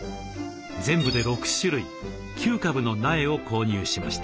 全部で６種類９株の苗を購入しました。